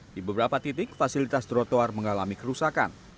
di beberapa titik fasilitas trotoar mengalami kerusakan